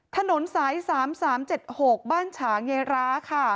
ถนนสาย๓๓๗๖บ้านฉางเยร้าค่ะ